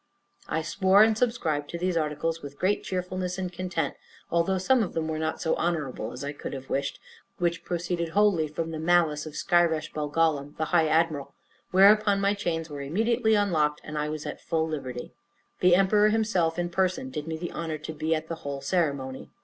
I swore and subscribed to these articles with great cheerfulness and content, although some of them were not so honorable as I could have wished; which proceeded wholly from the malice of Skyresh Bolgolam, the high admiral; whereupon my chains were immediately unlocked, and I was at full liberty; the emperor himself in person did me the honor to be by at the whole ceremony.